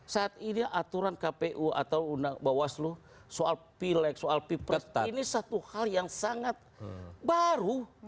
saat ini aturan kpu atau undang bawas lo soal pilag soal pprs ini satu hal yang sangat baru